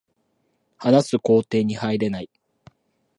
話す工程に入れない